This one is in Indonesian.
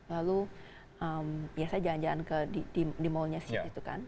lalu ya saya jalan jalan di mallnya sih